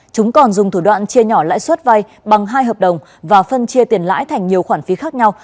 chúng còn dùng thủ đoạn chia nhỏ lãi suất vai bằng hai hợp đồng và phân chia tiền lãi thành nhiều khoản phí khác nhau